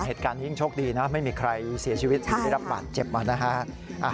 เหตุการณ์นี้ยิ่งโชคดีนะไม่มีใครเสียชีวิตหรือได้รับบาดเจ็บมานะฮะ